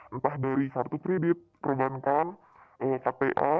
entah dari kartu kredit perbankan kta